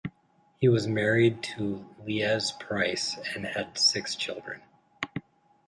He was married to Liese Price and had six children.